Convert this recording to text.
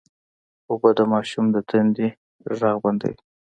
اوبه د ماشوم د تندې غږ بندوي